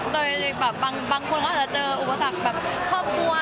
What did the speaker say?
โดยแบบบางคนก็อาจจะเจออุปสรรคแบบครอบครัว